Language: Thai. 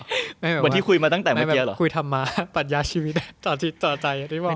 วันที่คุยมาตั้งแต่เมื่อเกียร์หรอคุยธรรมะปัญญาชีวิตต่อใจ